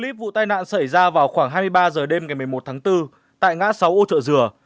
clip vụ tai nạn xảy ra vào khoảng hai mươi ba h đêm ngày một mươi một tháng bốn tại ngã sáu ô trợ dừa